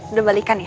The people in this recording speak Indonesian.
udah balikan ya